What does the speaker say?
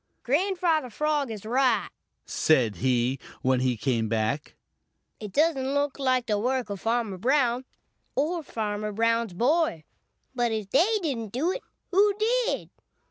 "Grandfather Frog is right," said he, when he came back. "It doesn't look like the work of Farmer Brown or Farmer Brown's boy. But if they didn't do it, who did?